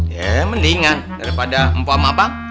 ya mendingan daripada empok sama abang